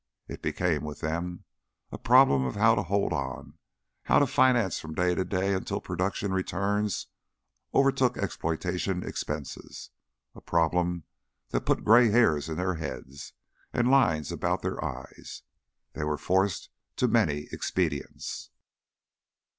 It became, with them, a problem of how to hold on, how to finance from day to day until production returns overtook exploitation expense a problem that put gray hairs in their heads and lines about their eyes. They were forced to many expedients.